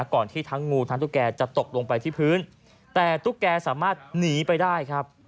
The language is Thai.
ก่อนที่ทั้งงูทั้งตุ๊กแกจะตกลงไปที่พื้นแต่ตุ๊กแกสามารถหนีไปได้ครับ